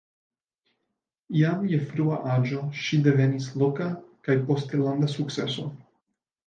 Jam je frua aĝo ŝi devenis loka kaj poste landa sukceso.